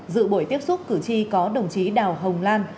dự buổi tiếp xúc cử tri có đồng chí đào hồng lan